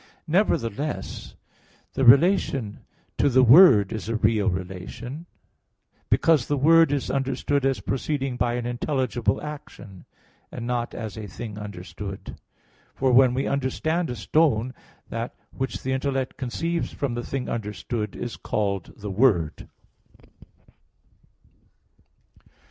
Nevertheless, the relation to the word is a real relation; because the word is understood as proceeding by an intelligible action; and not as a thing understood. For when we understand a stone; that which the intellect conceives from the thing understood, is called the word.